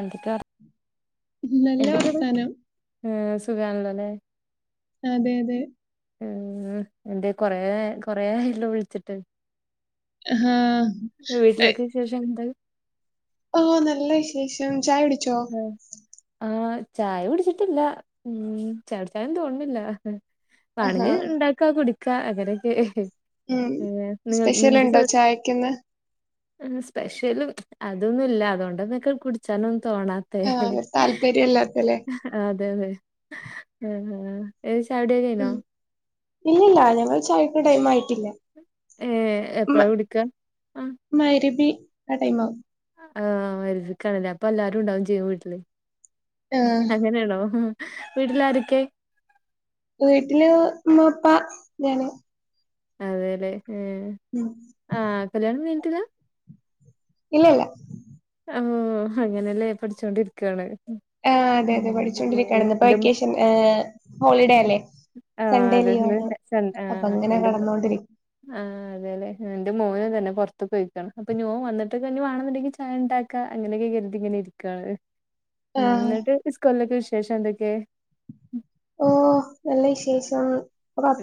എന്തൊക്കെ നല്ല വർത്താനം- ഉം സുഖാനല്ലോല്ലേ അതെ അതെ ഉ എൻറെ കൊറെ കൊറ ആയല്ലോ വിളിച്ചിട്ട് ആ ഹാ വീട്ടിലൊക്കെ വിശേഷം എന്താ ഓ നല്ല വിശേഷം ചായടി ആഹ ആഹ് ചായ കുടിച്ചിട്ടില്ല ഉം ചായകുടിച്ചായ തോന്നില്ല ആഹാ. പണിഞ്ഞ് ഉണ്ടാക്കാ കുടിക്ക് ക്ക അങ്ങനക്കെ ഉം സ്പെഷ്യൽ ഇണ്ടോ ചായക്കന്ന് സ്പെഷ്യലും അതൊന്നും ഇല്ല അതുകൊണ്ടന്നൊക്കെ കുടിച്ചാല തോണാത്തെ ആഹ് താല്പര്യം ഇല്ലാത്തല്ലേ. അതെതെ ഉം ഉം ചായ കുടി കയിഞ്ഞോ ഉം. ഇല്ലില്ല ഞങ്ങൾ ചായക്ക് ടൈം ആയിട്ടില്ല ഏർ മ എപ്പഴാ കുടിക്കാ ആ ക ടൈമാ- ആഹ വരുത് കണല അപ്പൊ എല്ലാരും ഉണ്ടാവും ചെയ്യും വീട്ടില് ആഹ് അങ്ങനേണോ- വീട്ടിലാരുക്കേ വീട്ടില് ഉമ്മാപ്പാ ഞാന്- അതെല്ലെ ഉം. ആഹ് കല്യാണംകഴി ട്ടില്ലാ- ഇല്ല ഇല്ല ആ അങ്ങനെയല്ലേ പഠിച്ചോണ്ടിരിക്കുവയാണ് ആ അതെ അതെ പഠിച്ചോണ്ടിരിക്കയാണ് ഇ ഇപ്പൊ എന്റെ മോ വെക്കേഷൻ ഹോളിഡേ അല്ലേ ആഹ് സൺഡേ അത് ഇന്ന് ലീവണ് സൺ അപ്പൊ ആഹ് അങ്ങനെ എന്റെ മോ കടന്നോണ്ടിരിക്ക ആഹ് അതേല്ലേ. എന്റെ മോനും തന്നെ പൊറ് ത്തുക്കൊ യ്ക്ക്ണ് അപ്പഞോൻ വന്നിട്ട്ക്ക് വാണന്ന് ണ്ടെങ്കിൽ ഉണ്ടാക്ക അങ്ങനൊക്കെ കരുതി ഇങ്ങെനിരിക്കാണ് ഉം ആഹ് എന്നട്ട് ഇസ്കല്ലക്ക [unintelligible] ശേഷം എന്തൊക്കെ ഓ നല്ല വിശേഷം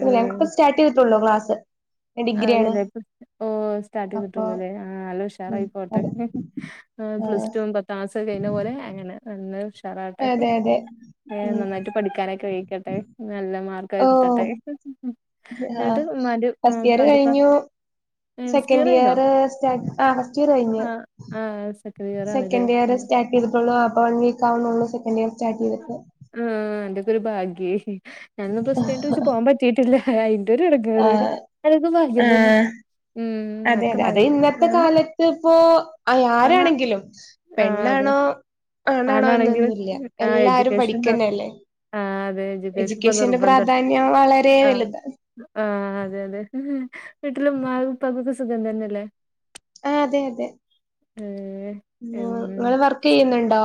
ഉം. സ്റ്റാട്ടയ്ട്ടുള്ളോ ക്ലസ് [inaudible] [inaudible] അതെല്ലേ ഓ സ്റ്റാർട്ട് അപ്പൊ ചെയ്തിട്ടുള്ളുല്ലേ ആഹ് അല്ലോ ഉം ഉഷാറായി പോട്ടെ അതെ ഹ് ഹ് ഹ് പ്ലസ് ആഹ് റ്റുംപത്താ ക്ലാസൊകഴിഞ്ഞ പോലെ അങ്ങനെ നല്ല ഉഷാറാവട്ടെ അതെ അതെ എ ഉം നന്നായിട്ട് പഠിക്കാനൊക്കെ വെഴിക്കട്ടെ നല്ല മാർക്ക് ഓ കിട്ടട്ടെ ആഹ് ന്നട്ട് മരു [unintelligible] ഫസ്റ്റ് ഇയർ കഴിഞ്ഞു ഫസ്റ്റ് സെക്കൻഡ് കഴിഞ്ഞോ ഇയർ സ്റ്റാർട്ടയ്ത് ട്ടൊള്ളു അപ് [unintelligible] ഫസ്റ്റ് [inaudible] ഇയർ സ്റ്റാർ് ആ ഫസ്റ്റ് ഇയർ കഴിഞ്ഞു ആ ആ സെക്കൻഡ് ഇയർ ആണല്ലേ സെക്കൻഡ് ഇയർ ഉം. സ്റ്റാർട്ട് ചെയ്ത് ട്ടൊള്ളു അപ്പ [unintelligible] [unintelligible] ൾ സെക്കൻ് [unintelligible] ചാറ്റയ്ത്ട്ട് ആ അന്റെയൊക്കെ ഒരു ഭാഗ്യെ ഞാനൊന്ന് ബ സ്റ്റേ വെച്ച് പോവാൻ പറ്റിട്ടി യിട്ടില്ല അ [unintelligible] ഒരട്ങ്ങേറ് ആഹ് അതക്കെ ഭാഗ്യം തന്നെ ആഹ് ഉം അതെ ഒക്കെ അതെ ന എ അഹ് ആരാണെങ്കിലും അതെ പെണ്ണാണോ അതാണെങ്കിൽ ആണാണോഎന്നൊന്നുല്ല ആ എല്ലാരും എഡ്യൂക്കേഷൻ പഠിക്കന്നല്ലേ ആ അതെ എഡ്യൂക്കേഷൻ ഇപ്പൊ എജ്യൂക്കേഷന്റെ നിർബന്ധം പ്രാധാന്യം വളരെ വലുത ആഹ് അതെ അതെ വീട്ടിലെ ഉമ്മാക്കും ഉപ്പാക്കൊക്കെ സുഖം തന്നെല്ലേ ആഹ് അതെ അതെ ഉം ഉ ഇങ്ങള് വർക്കയ്യുന്നുണ്ടോ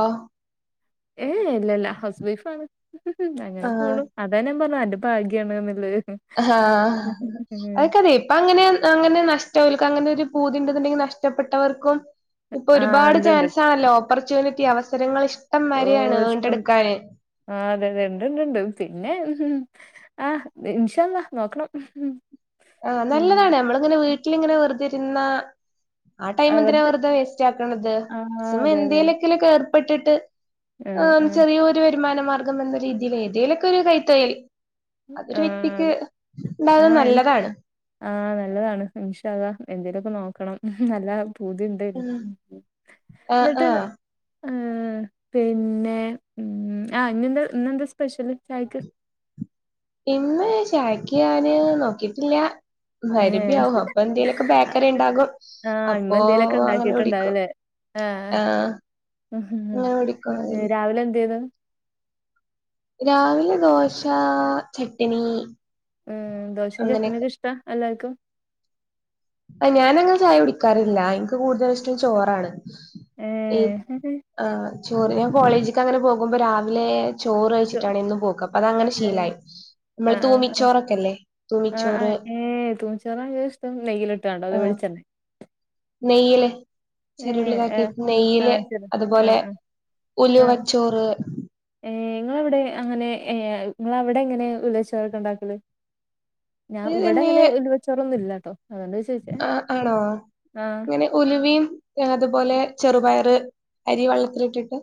ഏ എ ഇല്ലല്ല ഹൗസ് വൈഫ് ആണ് അങ്ങനെ ആഹ് പോണു അതന്നാൻ പറഞ്ഞു ഭാഗ്യാണ്ന്ന്ള്ള ഹ് ആഹ് അഹൊക്കതെ ഇപ്പ അങ്ങനെ അങ്ങനെ നശ് തോൽക്കങ്ങനെ ഒരു പൂതിണ്ട്ന്ന്ണ്ടെങ്കിൽ നഷ്ടപ്പെട്ടവർക്കും ഇപ്പൊ ആ ഒരുപാട് ഉണ്ട് ഉണ്ട് ചാൻസാണല്ലോ ഓർച്ചുണിറ്റി അവസരങ്ങൾ ഇശ് ഓ ഇഷ്ടം ആ അതെ അതെ ഇണ്ട്ണ്ട്ണ്ട് പിന്നെ ഹ് ഹ് ഹ് ആഹ് ഇൻഷള്ളാഹ് നോക്കണം ആഹ് ഉം. നല്ലതാണ് നമ്മളിങ്ങനെ വീട്ടിലിങ്ങനെ വെറുതെ ഇന്ന ആ ടൈം എന്തിനാ അവർക്ക് വെറുത വേസ്റ്റ് ആക്ക്ണത് ആ അതെ അതെ അതെ എന്തേലൊ - - പെട്ടിട്ട് ആ ചെറിയൊരു വരുമാനമാർഗ്ഗം എന്ന രീതിയില് ഏതേലൊക്കെരു കൈതൊഴിൽ അതൊരു ആ ആ വ്യക്തിക്ക്ണ്ടാകുന്നത് നല്ലതാണ് ആ നല്ലതാണ് ഇൻഷാ അള്ളാ എന്തേലോക്കെ നോക്കണം നല്ല പൂതിണ്ട് ആഹ് ന്നിട്ട് ആഹ് ആ പിന്നെ മം ആ ഇന്നെന്താ ഇന്നെന്താ സ്പെഷ്യല് ചായക്ക് ഇന്ന് ചായക്ക് ഞാന്‌ നോക്കിട്ടില്ല മഹാരിബി ഏഹ് ആവും അപ്പൊന്തേലൊക്കെ ബേക്കറി ഉണ്ടാകും ആഹ് ഇമ്മ അപ്പൊ എന്തേലൊക്കെ അങ്ങനെ കുടിക്കും ഇണ്ടാക്കിട്ടുണ്ടാവുല്ലേ ആഹ് ആ അങ്ങനെ കുടിക്കും ഏഹ് അതി രാവിലെ എന്തേന്നു രാവിലെ ദോശാ ചട്ടനി ഉം ദോശിം ചട്ടിണിക്കൊ ഇഷ്ടാ അല്ലാ ക്കും അയ് ഞാൻ അങ്ങനെ ചായ കുടിക്കാറില്ല ഇൻക്ക് കൂട്തൽ ഇഷ്ടം ചോറാണ് ഇ ഏഹ് ആ ചോറ് ഞാൻ കോളേജ്ക്ക് അങ്ങനെ പോ ക്കുമ്പം രാവിലെ ചോറ് ചോ കഴിച്ചിട്ടാണ് എന്നും പോക്ക് അപ്പ അതങ്ങനെ ഏഹ് ശീലായി മ്മള് ആഹ് ആഹ് ആഹ് തൂമിച്ചോറൊക്കെല്ലേ ആഹ് തൂമിച്ചോറ് ആഹ് ട്ട് കാണ്ടോ അതോ ആഹ് വെളിച്ചെണ്ണ നെയ്യില് ചെറുള്ളി ഏഹ് ആഹ് ഇതാക്കിട്ട്. നെയ്യില് ആഹ് ശരി അതുപോലെ ആഹ് ആഹ് ആഹ് ഉലുവച്ചോറ് ഏഹ് ഇങ്ങളവിടെ അങ്ങനെ ഏ ഇങ്ങള് അവിടെ എങ്ങനെ ഉള്ളിചോറൊക്കെണ്ടാക്കല് ഞാൻ ഇവിടെ ഇങ്ങനെ ഉലുവച്ചോറൊന്നും ഇല്ല അ ആണോ ആഹ് ഇങ്ങനെ ഉലുവിം അ അതുപോലെ ചെറുപയറ് അരി വള്ളത്തിലിട്ടിട്ട്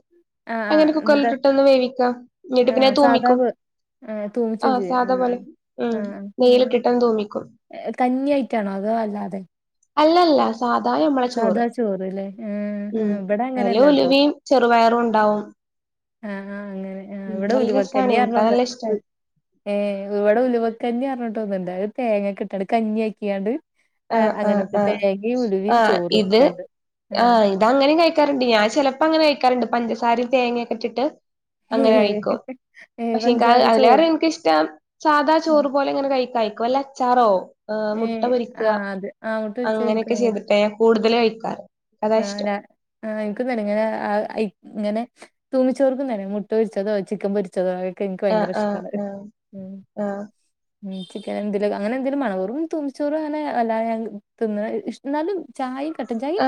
ആ ആ എന്നിട്ട് എന്നിട്ട് ആ പിന്നെ സാധാ തൂമിക്കും പോലെ ആ ആ തൂമിച്ചും സാധാ ചെയ്യും ആ പോലെ ഉം ആ നെയ്യിലിട്ടിട്ടൊന്ന് തൂമിക്കും കഞ്ഞിയായിട്ടാണോ അതോ അതെ അല്ലല്ലാ സാധാ നമ്മളെ ചോറ് ചോറ്ല്ലേ ആഹ് ഉം ആഹ് ഇവിടെ അയില് അങ്ങനെയല്ലാട്ടോ ഉലുവിം ചെറുപയറും ഉണ്ടാവും ആ ആ അങ്ങനെ ആ ഉം ഇവിടെ നല്ല രസാണ് ഉലുവക്കഞ്ഞി എനിക്കത് നല്ല ഇഷ്ടാണ് ഏ ഇവിടെ ഉലുവക്കഞ്ഞി അ കന്നണ്ട് [unintelligible] അത് തേങ്ങൊക്കെ ഇട്ടണ്ട് കഞ്ഞി ആക്കിയാണ്ട് ആ അങ്ങനൊക്കെ തേങ്ങി ഉലുവിം അ ഇത് ആ ഇത് അങ്ങനെ കഴിക്കാറ്ണ്ട് ഞാൻ ചേലപ്പം അങ്ങനെ കഴി ക്കാറുണ്ട് പഞ്ചസാരിം തേങ്യൊക്ക ഇിട്ടിട്ട് ഏ അങ്ങനെ കയിക്കും ഏ പക്ഷെ ഇൻക്ക് പഞ്ചാര ചോറ് അതിലേറെ ഇൻക്കിഷ്ടം സാധാ ചോറ് പോലെ ഇങ്ങനെ കഴി കയി ക് വല്ല അച്ചാറോ ഏഹ് മുട്ട പൊരി ആഹ് അത് ആ മുട്ട പൊര്ച്ചത് ഇൻക് [unintelligible] ഞാൻ കൂടുതല് കഴിക്കാറ് അതാ ആ ഇഷ്ടം ഞാ ആ ഇൻക്കും തന്നെ ഇങ്ങനെ അഅ് ആ ഇങ്ങനെ തുമ്മിച്ചോർക്കും തന്നെ മുട്ട പൊരിച്ചതോ ചിക്കൻ പൊരിച്ചതോ [unintelligible] ആ ആ ഇഷ്ടമാണ് ആ ഉം ആ ഉം ചിക്കൻ എന്തെലൊക്കെ അങ്ങനെ എന്തേലും മാണം വെറും തൂമ്പിച്ചോറും അങ്ങനെ വല്ലാതെ ഞാൻ തിന്ന്ണത് ഇഷ് ഇന്നാലും ചായിം കട്ടൻ ചായിം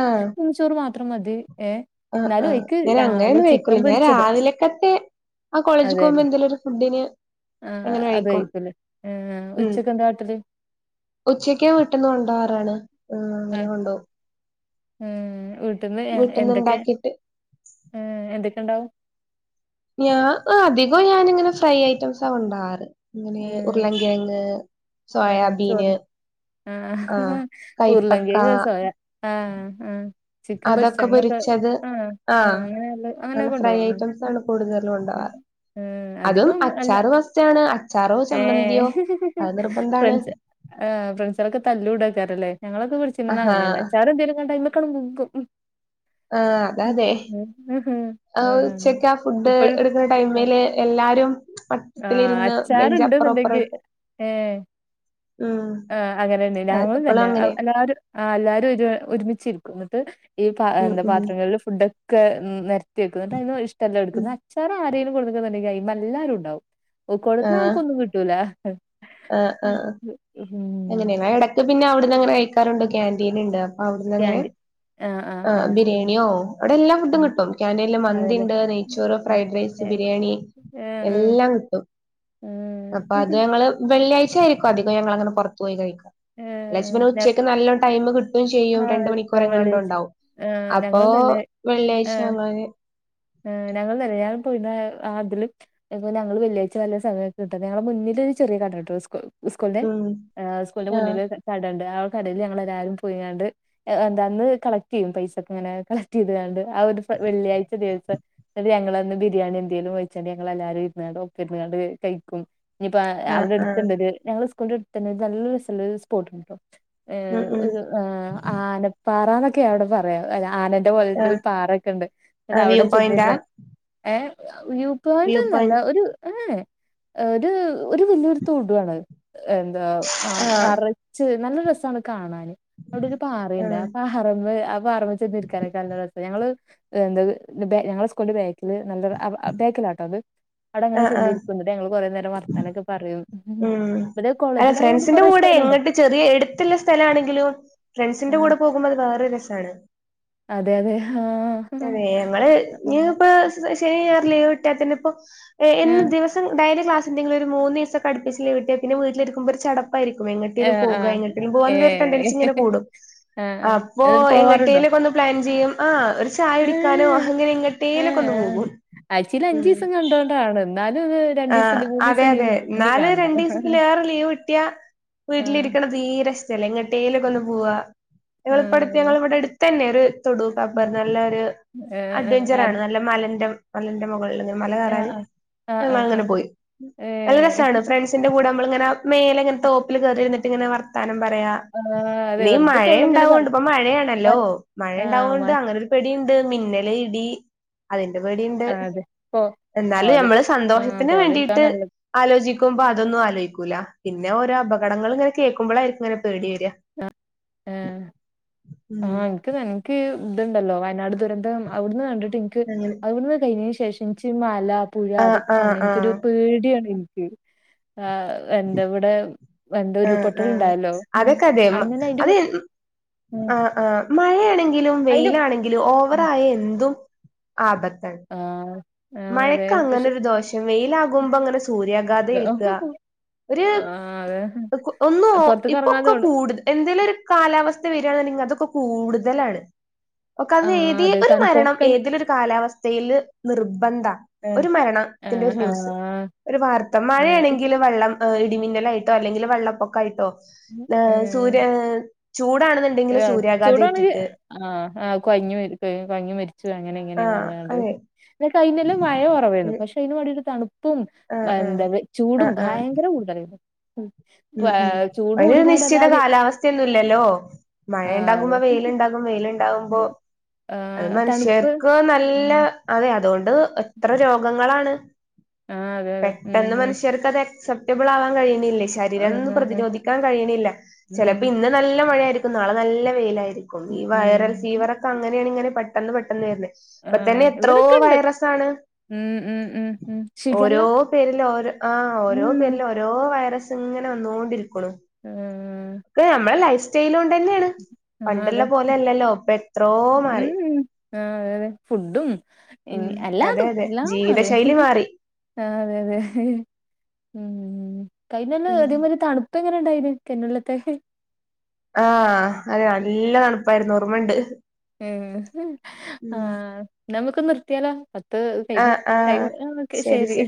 മാത്രം മതി ഏ ആ ആ എന്നാലും അയിക്ക് ഞാൻ ആ അങ്ങനെ അല്ല ഒന്നും കഴിക്കൂല ചിക്കൻ ഞാൻ പൊരിച്ചത് രാവിലക്കത്തെ ആ കോളേജിൽ അതെ പോകുമ്പോ അല്ലേ എന്തെലും ഒരു ഫുഡിന് ആ ഇങ്ങനെ അത് കയിക്കും കഴിക്കൂലേ ഉം ഉച്ചക്ക് എന്താ കാട്ടല് ഉച്ചക്കും വീട്ട്ന്ന് കൊണ്ടാവാറാണ് ഉം അങ്ങനെ കൊണ്ടോവും ഏ വി ട്ട്ന്ന് വീട്ടിന്ന് എന്തൊക്കെ ഇണ്ടാക്കിട്ട് എന്തൊക്കെ ഉണ്ടാവും ഞാ അധികം ഞാനിങ്ങനെ ഫ്രൈ ഐറ്റംസാ കൊണ്ടാവാറ് അങ്ങനെ ഏഹ് ഉരുളങ്കിഴങ്ങ് ഏഹ് സോയാബീന് ചോറിന്റെ ആഹ് ഉർലങ്കയങ്ങ് സോയാ ആഹ് ആഹ് ചിക്കൻ പൊരിച്ച അതൊക്കെ അങ്ങനൊക്കെ പൊരിച്ചത് ആ ആ ആഹ് അങ്ങനെല്ല അങ്ങനെ അങ്ങനെയൊക്കെ ഫ്രൈ കൊണ്ടോവോ ആ [unintelligible] ഉം ഏ അതും അധികം അല്ല അച്ചാറ് മസ്റ്റാണ് അച്ചാറോ ഏ ചമ്മന്തിയോ അത് നിർബന്ധാണ് ഫ്രൻസ് ആ ഫ്രണ്ട്സേളൊക്കെ തല്ലൂടാക്കാരല്ലേ ഞങ്ങളൊക്ക പഠിച്ചിനന്ന് ആഹാ അങ്ങെനെന്ന് അച്ചാറ് എന്തെലും കണ്ട അയ്മ ക്കണ് ബിഗും ആ അതെ അതെ ആ ആഹ് ഉചക്കാ ഫുഡ് ഡ് ഇപ്പഴും എടുക്ണ ആഹ് ടൈമില് എല്ലാരും വട്ടത്തിലിരുന്ന് ബെഞ്ച് അപ്പുറം അപ്പുറം അച്ചാറ്ണ്ട്ന്ന്ണ്ടെങ്കി ഇട്ട് ഉം ആ അങ്ങനെന്നെ അതൊക്കെ ഞങ്ങളും ഇപ്പളും തന്നെ ഔ അങ്ങനെയാ എല്ലാരും ആ എല്ലാരും ഒരു ഒരുമിച്ചിരിക്കും [unintelligible] ത് ഈ പ ഉം എന്താ ഉം പാത്രങ്ങളിൽ ഫുഡൊക്കെ നെരത്തി വെക്കും ഇന്നട്ട് അയ്ന്ന് ഇഷ്ടല്ലത് ഇടുക്കും ഉം ന്ന അച്ചാറാണ് [unintelligible] [unintelligible] എല്ലരും ഉണ്ടാവും ഓ ആഹ് കൊട്ന്നാക്ക് ഒന്നും കിട്ടൂലാ ഉം ഉം എങ്ങനെയെ എടക്ക് പിന്നെ അവി അങ്ങനെ കഴിക്കാറുണ്ട് കന്റീൻ ഇണ്ട് അവിട്ന്ന് അങ്ങനെ ക്യാൻ്റി ആഹ് ആഹ് ആ ആഹ് ഉം ബിരിയെണിയോ അവ്ടെ എല്ലാ ഫുഡും ഉം കിട്ടും ക്യാന്റീനില് മന്തി അതെല്ലേ ഇണ്ട് നെയ്ച്ചോറ് ഏഹ് ഫ്രൈഡ് റൈസ് ഏഹ് ബിരിയാണി ഏഹ് എല്ലാം കിട്ടും ഏഹ് അപ്പൊ അത് ഞങ്ങള് വെള്ളി ആഴ്ചായിരിക്കും അധികം ഞങ്ങള് പോറത്ത് പോയി കഴിക വെള്ളിയാഴ്ച്ച ഏഹ് പിന്നെ ഏഹ് ഉച്ചക്ക് നല്ല ടൈമ് കിട്ടും ചെയ്യും രണ്ട് മണിക്കൂർ ആഹ് എങ്ങാണ്ടോ വെള്ളിയാഴ്ച ഉണ്ടാവും ആഹ് അപ്പോ ഞങ്ങളും വെള്ളിയാഴ്ച അങ്ങള് ഞങ്ങളും തന്നെ പോയി അതില് ഞങ്ങള് വെള്ളിയഴ്ച വല്ല സമയൊക്കെ കിട്ടാനങ്കി ഞങ്ങൾടെ മുന്നില് ഒരു ചെറിയ കട ട്ടോ സ്കൂൾന്റെ ഉം സ്കൂൾന്റെ ആഹ് മുന്നിലോരു കടണ്ട് കടയിൽ ഞങ്ങളല്ലാരും പോയ്യാണ്ട് എന്താന്ന് കളക്ട് ചെയ്യും പൈസ ഒക്കെ ഇങ്ങനെ കളക്ട് ചെയ്താണ്ട് ആ ഒരു വെള്ളിഴിച്ച ദി ഞങ്ങളന്ന് ബിരിയാണി എന്തെലും കഴിച്ചാണ്ട് ഞങ്ങള് എല്ലാരും ഇരുന്നാണ്ട് ഒപ്പം ഇരിന്ന് കാണ്ട്കഴിക്കും ഇനിയിപ്പ ആഹ് അവിടെ ആഹ് എട്ത്ണ്ടോരു ഞ [unintelligible] നല്ലൊരു സ്ലലോ ഒരു സ്പോട്ട്ണ്ടോ ഏ ഉം ഉം ഒരു ആ ആന പാറനോക്കെ ആഹ് [unintelligible] [unintelligible] പാറൊക്കെ ഇണ്ട് ഇന്നട്ട് ആഹ് വ്യൂ അവിടെ പോയിന്റാ [unintelligible] യൂ വ്യൂ പോയറ്റൊന്നും പോയിന്റ് അല്ലാ ഒരു ഏ ഒരു ഒരു വല്ലിയൊരു തോടാണ് എന്താ ആ ആഹ് അർച്ച് നല്ല രസാണ് ക കാണാന് അവിടെ ഒരു പാറിണ്ട് ആ ആഹ് പാറമ്മേ പാറേമ്മേ ചെന്നിരിക്കാന് നല്ല ര പ്പ ഞങ്ങള് എന്തൊ ന്നട്ട് ഞങ്ങളെ സ്ക്കൂളിന്റെ ന നല്ലൊരു ബേക്കിലാട്ടോ അത് അവിടെ അങ്ങെ ആഹ് ആഹ് ചേന്നിരിക്കും ഇന്നട്ട് ഞങ്ങള് കുറെ നേരം വർ ത്താനൊക്കെ പറയുന്നു ഉം അല്ല ഫ്രണ്ട്സിന്റെ കൂടെ സ്ഥലണ്ട് എങ്ങട്ട് ചെറിയ എട്ത്ത്ള്ള സ്ഥല ആണെങ്കിലും ഫ്രണ്ട്സിന്റെ ആഹ് കൂടെ പോകുമ്പോ അത് വേറെ രസാണ് അതെ അതെ ആഹ് അതെ ഞങ്ങള് ആഹ് ഇപ്പ ശരി [unintelligible] ലീവ് വിട്ടത്തിന്പ്പോ ആഹ് ഏന്ന് ആഹ് ദിവസം ഡയറി ക്ലാസ് ന്തെങ്കില ഒരു മൂന്നീസം അട്പ്പിച്ച് ലീവ് കിട്ടിയാ പിന്നെ വീട്ടിലിരിക്കുമ്പോ ഒരു ചട കായിരിക്കും എങ്ങട്ടേലും പോക എങ്ങട്ടേലും പോക ഏഹ് ടെൻഡൻസി ഇങ്ങനെ കൂടും ആഹ് ആഹ് അപ്പോ എന്നിട്ട് പോവാറുണ്ടോ? എങ്ങട്ടലുംക്കെ ഒന്ന് പ്ലാൻ ചെയ്യും. ആഹ ഒരു ചായ കുടിക്കാനോ ഏഹ് അങ്ങനെ ഏഹ് എങ്ങട്ടേലൊക്കെ ഒന്ന് ഏഹ് പോകും ആഴ്ചയിൽ ഉം അഞ്ചീസം കണ്ടോണ്ടാണ്. എന്നാലും അത് ആ രണ്ടീസം ലീ അതെ മൂന്നീസം ലീവ് അതെ കിട്ടിയാ പിന്നിം ന്നാല് കാണണം. രണ്ടീസത്തിലേറെ ലീവ് കിട്ടിയ ആഹ് വീട്ടിലിരിക്കണ തീരെഇഷ്ടല്ല എങ്ങട്ടേലൊക്കെ ഒന്ന് പോവാ ഞങ്ങള് ഇപ്പടുത്ത് ആഹ് ഞങ്ങളിവിടെ അടുത്തന്നെ [unintelligible] തൊടു പപ്പർ നല്ലൊരു ഏഹ് ഏഹ് അഡ്വഞ്ചറാണ് അത് നല്ല മലന്റെ മലന്റെ മൊകളില്ങ്ങ മല ആഹ് കേറാന് ആഹ് ആഹ് ഞങ്ങൾ ആഹ് അങ്ങനെ ആഹ് പോയി നല്ലരസാണ് ഏഹ് ഫ്രണ്ട്സിന്റെ കൂടെ നമ്മൾങ്ങനെ മേലങ്ങനെ തോപ്പിൽ കേറിര്ന്ന്ട്ട്ങ്ങെ വർത്താനം പറയാ ആഹ് അതെ ഇനി വെറുതെ തൊള്ളിങ്ങനെ പറ മഴണ്ടാവൊണ്ട് ഇപ്പ മഴയാണല്ലോ ഒര് ആഹ് മ മഴണ്ടാവോണ്ട് അങ്ങനെ ഒരു പേടിയ് മിന്നല് ഇടി അതെ വെടിണ്ട് ആഹ് അതെ പോ എന്നാലും പോവാതി നമ്മള് ആഹ് സന്തോഷത്തിന്ന് പോവാതിരിക്കാ വേണ്ടീട്ട് നല്ലത്. ആലോചിക്കുമ്പോ അതൊന്നും ആലോയ് ക്കൂല പിന്ന ഓരോ അപകടങ്ങൾങ്ങനെ കേക്കുമ്പളായിര്ക്കും ങ്ങനെ ആ ആഹ് ഉം ആഹ് ൻക്ക് നൻക്ക് ഇതുണ്ടല്ലോ വയനാട് ദുരന്തം അവ്ട്ന്ന് കണ്ട് അങ്ങനെ [unintelligible] ശേഷം [unintelligible] പുഴ ആഹ് ആഹ് അതൊക്കാണ്ണം ൻക്കൊരു ആഹ് പേടിയാണ് ആ എൻ്റവ്ടെ എന്ത ആഹ് ആഹ് ഉരുൾപൊട്ടല്ണ്ടായല്ലോ അതൊക്കെ അതെ അത് ആഹ് മഴയാണെങ്കിലും അയിന്റെ വെയിലാണെങ്കിലും ഓവറായി എന്തും ആപത്താണ് ആഹ് ആഹ് അതെ പക്ഷെ മഴക്കങ്ങനൊര് ദോഷം വെയിലാകുമ്പോങ്ങനെ സൂര്യാഘാതേൽക്കാ ഒര് ആഹ് അതെ ഒന്നോ പുറത്ത്ക്ക് ഇറങ്ങാൻ ഇപ്പൊക്കെ തോണ് [unintelligible] എന്തേലൊരു കാലാ അവസ്ഥ വരാണെന്ന്ണ്ടെങ്കി അതൊക്കെ കൂടുതലാണ് [unintelligible] ആഹ് ഏതീ അതെ ഒരു മരണം തണുപ്പൊക്കെ ഏതീലൊരു കാലാവസ് വെയില് നിർ ആഹ് ഒരു മരണത്തിന്റെ ആഹ് ഒരു ന്യൂസ്, ആഹ് ഒരു വാർത്ത ആഹ് ഇപ്പ മഴയാണെങ്കിൽ വെള്ളം ഇടിമിന്നലായിട്ടോ, അല്ലെങ്കിൽ വെള്ളപ്പൊക്കായിട്ടോ ആ ഏഹ് സൂര്യ ചൂടാണെന്നുണ്ടെങ്കിൽ സൂര്യാഘാതം ചൂടാണെങ്കി ഏറ്റിട്ട് ആ ആ കൊഴഞ്ഞുവരും ലേ കൊഴഞ്ഞു വരും ച്ച് അങ്ങനെ ഇങ്ങനെയന്ന് ആഹ് അതെ പറഞ്ഞണ്ട് കഴിഞ്ഞൊല്ലം മഴ കുറവാരുന്നു ആഹ് പക്ഷെ അയ്നു വാണ്ടീട്ട് തണുപ് പ്പും ആഹ് എന്താ ചൂടും ആഹ് ആഹ് ഭയങ്കര കൂടുതലായിരുന്നു ഉം. ഉം ഉം ചൂട് അതിനൊരു കൂടിങ്ങാണ്ട് നിശ്ചിത എല്ലാരും കാലാവസ്ഥെന്നും ഇല്ലല്ലോ. ആഹ് മഴയണ്ടാകുമ്പോ വെയില്ണ്ടാകും വെയില് ഉണ്ടാവുമ്പോ അത് ആഹ് തണുപ്പ് മനുഷ്യർക്കും നല്ല ആഹ് ഇതോണ്ട് എത്ര രോഗങ്ങളാണ് അതെ അതെ ഉം പെട്ടെന്ന് മനുഷ്യർക്ക് അത് എക്സെപ് റ്റബിൾ ആവാൻ കയ്യിണില്ലേ ഉം അതിനന്നും ആഹ് പ്രതിരോധിക്കാൻ കഴിയ്ണില്ല ഉം ചെലപ്പോ ഇന്ന് നല്ല മഴയാരിക്കും ക്കും നാളെ നല്ല വെയിലായിരി രിക്കും ഈ ഉം വൈറൽ ഫീവറൊക്കെ അങ്ങനെയാണ് ഇങ്ങനെ പെ പെട്ടെന്ന് പെട്ടെന്ന് വര്ണ്. ഇപ്പതന്നെ ആഹ് എത്രോ ഇവിടൊക്കെണ്ട് വൈറസ് ആണ് ഉം ഉം ഉം ഉം ശിഖല്ല ഓരോ പേരിലും ഓരോ ആ ഓരോ ഉം പേരിലും ഓരോ വൈറസ് ഇങ്ങനെ വന്നുകോണ്ടിരിക് ഉം ക്കെ നമ്മളെ ലൈ [unintelligible] തന്ന്യാണ്, ആഹ് പണ്ട്ള്ള അതെ പോലെയല്ലല്ലോ പെ എത്രോ മാറി ആ, അതെതെ ഫുഡും ഉം അതെ എല്ലാതും അതെ എല്ലാം മാറിണ് ജീവിതശൈലി മാറി ആ അതെ അതെ ഉം ഉം ഉം കഴിഞ്ഞൊല്ലം ഉം അധികം വലിയ തണുപ്പ് ഇപ്പം, എങ്ങനെ ഉണ്ടായിന് കഴിഞ്ഞൊല്ലത്തെ ആഅതെ നല്ല തണുപ്പായിരുന്നു ഓർമയുണ്ട് ഉം ആ നമക്കൊന്ന [inaudible] അത്ത് കൽ ആഹ് ആഹ് കൈ ശരി